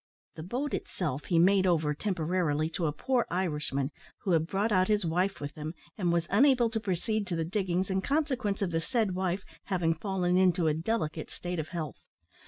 The boat itself he made over, temporarily, to a poor Irishman who had brought out his wife with him, and was unable to proceed to the diggings in consequence of the said wife having fallen into a delicate state of health.